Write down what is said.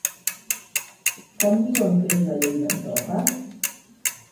Com diuen que és la llei d'Andorra?